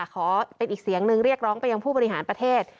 ขอเป็นอีกเสียงหนึ่งเรียกร้องไปยังผู้บริหารประเทศ